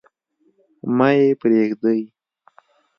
مه يې پريږدﺉ.